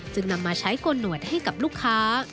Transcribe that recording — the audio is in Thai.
นำมาใช้โกนหนวดให้กับลูกค้า